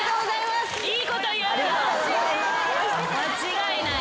間違いない。